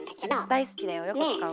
大好きだよよく使う。